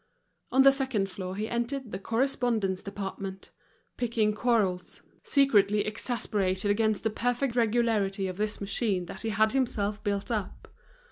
On the second floor he entered the correspondence department, picking quarrels, secretly exasperated against the perfect regularity of this machine that he had himself built up.